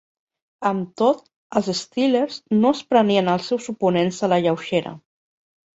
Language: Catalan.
Amb tot, els Steelers no es prenien els seus oponents a la lleugera.